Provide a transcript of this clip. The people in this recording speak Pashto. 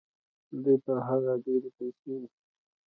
دوی پر هغه ډېرې پیسې ایښي دي.